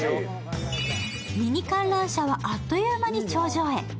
ミニ観覧車はあっという間に頂上へ。